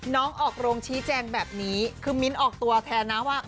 น้องออกโรงชี้แจงแบบนี้คือมิ้นออกตัวแทนนะว่า